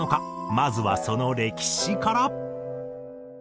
まずはその歴史から。